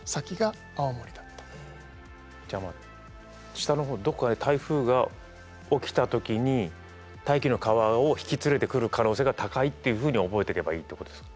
下の方どこかで台風が起きた時に大気の河を引き連れてくる可能性が高いっていうふうに覚えとけばいいってことですか？